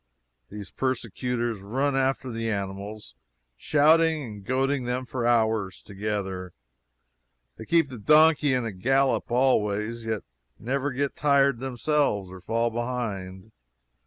These persecutors run after the animals, shouting and goading them for hours together; they keep the donkey in a gallop always, yet never get tired themselves or fall behind.